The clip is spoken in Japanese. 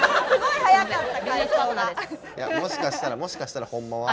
いやもしかしたらもしかしたらホンマは。